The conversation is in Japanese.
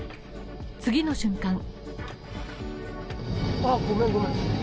次の瞬間